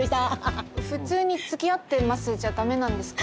普通につきあってますじゃダメなんですか？